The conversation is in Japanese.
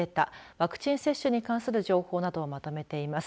ワクチン接種に関する情報などをまとめています。